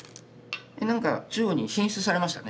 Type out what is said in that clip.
何か中央に進出されましたね。